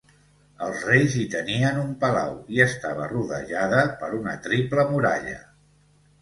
Els reis hi tenien un palau i estava rodejada per una triple muralla.